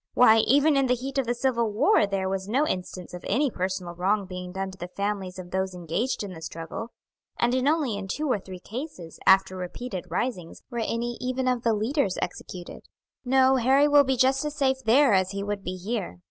Why, even in the heat of the civil war here there was no instance of any personal wrong being done to the families of those engaged in the struggle, and in only two or three cases, after repeated risings, were any even of the leaders executed. "No; Harry will be just as safe there as he would be here.